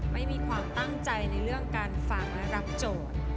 ไม่มีความตั้งใจในเรื่องการฟังและรับโจทย์